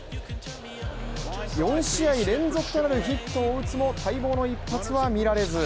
４試合連続となるヒットを打つも待望も一発は見られず。